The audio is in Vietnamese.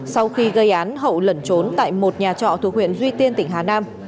sau khi gây án hậu lẩn trốn tại một nhà trọ thuộc huyện duy tiên tỉnh hà nam